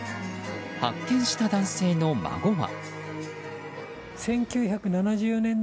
発見した男性の孫は。